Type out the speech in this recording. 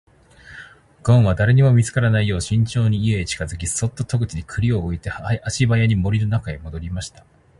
ごんは誰にも見つからないよう慎重に家へ近づき、そっと戸口に栗を置いて足早に森の中へ戻りました。